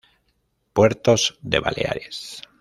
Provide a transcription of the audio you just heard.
Puertos de Baleares